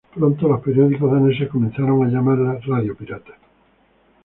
Pronto los periódicos daneses comenzaron a llamarla "radio pirata".